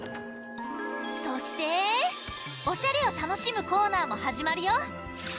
そしておしゃれをたのしむコーナーもはじまるよ。